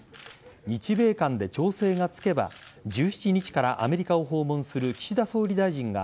日米間で調整がつけば１７日からアメリカを訪問する岸田総理大臣が